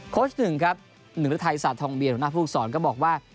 โค้ชหนึ่งครับหนึ่งฤทัยศาสตร์ทองเบียร์หน้าภูกษรก็บอกว่า